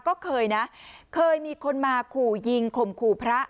ก็เคยนะเคยมีคนมาขู่ยิงข่มขู่พระ